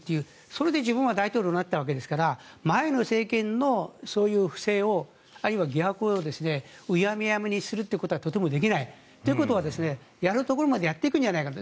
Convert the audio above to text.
それで自分は大統領になったわけですから前の政権のそういう不正、あるいは疑惑をうやむやにすることはとてもできない。ということはやるところまでやっていくんじゃないかと。